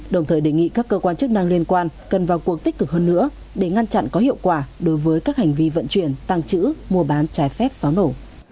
đồng thời đề nghị các cơ quan chức năng liên quan cần vào cuộc tích cực hơn nữa để ngăn chặn có hiệu quả đối với các hành vi vận chuyển tăng trữ mua bán trái phép pháo nổ